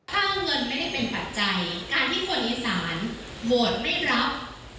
ถ้าเงินไม่ได้เป็นปัจจัยการที่คนอีสานโหวตไม่รับ